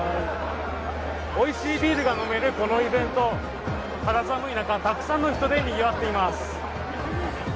おいしいビールが飲めるイベント、肌寒い中たくさんの人でにぎわっています。